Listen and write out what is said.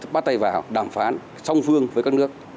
bắt tay vào đàm phán song phương với các nước